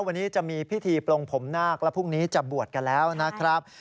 วันนี้จะมีพิธีปลงผมนาคและพรุ่งนี้จะบวชกันแล้วนะครับ